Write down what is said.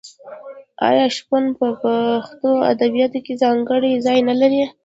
آیا شپون په پښتو ادبیاتو کې ځانګړی ځای نلري؟